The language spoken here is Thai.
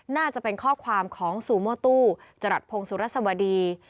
น่าจะเป็นข้อความของซูโมตู้จรัสพงศ์สุรสวดี